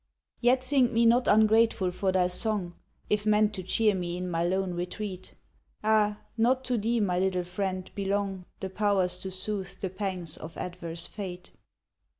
Yet think me not ungrateful for thy song, If meant to cheer me in my lone retreat; Ah! not to thee, my little friend! belong The pow'rs to soothe the pangs of adverse fate.